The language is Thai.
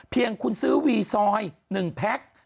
เพียงคุณซื้อวีซอย๑แพ็ค